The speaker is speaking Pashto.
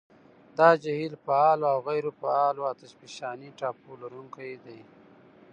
دا جهیل فعالو او غیرو فعالو اتشفشاني ټاپو لرونکي دي.